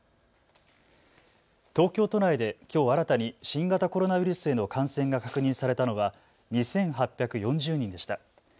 東京都内できょう新たに新型コロナウイルスへの感染が確認されたのは２８４０人でした。